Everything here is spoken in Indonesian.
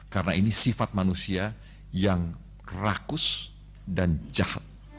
karena ini sifat manusia yang rakus dan jahat